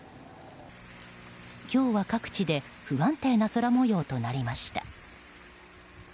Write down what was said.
今日は各地で不安定な空模様となりました。